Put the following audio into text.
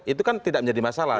itu kan tidak menjadi masalah